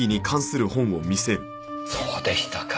そうでしたか。